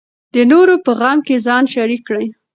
د نورو په غم کې ځان شریک کړئ.